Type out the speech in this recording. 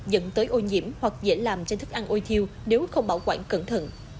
dẫn tới ô nhiễm hoặc dễ làm trên thức ăn ôi thiêu nếu không bảo quản cẩn thận